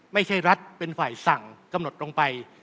ไม่ใช่รัฐเป็นฝ่ายสั่งกำหนดลงไป